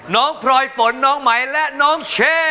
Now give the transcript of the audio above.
พลอยฝนน้องไหมและน้องเช่